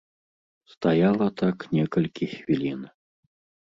Стаяла так некалькі хвілін.